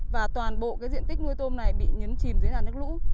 và toàn bộ diện tích nuôi tôm này bị nhấn chìm dưới đàn nước lũ